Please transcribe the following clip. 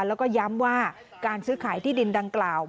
แล้วก็ย้ำว่าการซื้อขายที่ดินดังกล่าว